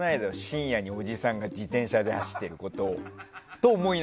深夜におじさんが自転車で走ってることを。